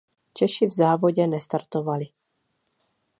Češi v závodě nestartovali.